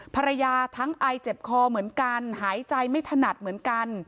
ภรรยาทั้งไอเจ็บคอเหมือนกันหายใจไม่ถนัดเหมือนกัน